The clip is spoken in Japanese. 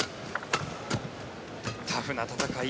タフな戦い。